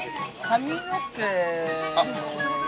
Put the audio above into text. ◆髪の毛。